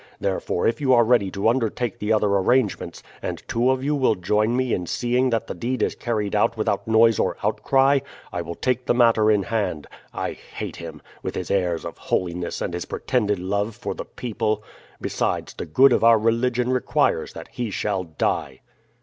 Therefore if you are ready to undertake the other arrangements, and two of you will join me in seeing that the deed is carried out without noise or outcry, I will take the matter in hand. I hate him, with his airs of holiness and his pretended love for the people. Besides, the good of our religion requires that he shall die."